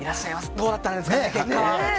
どうだったんですかね、結果は。